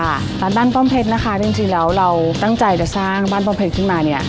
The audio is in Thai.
ร้านบ้านป้อมเพชรนะคะจริงแล้วเราตั้งใจจะสร้างบ้านป้อมเพชรขึ้นมาเนี่ย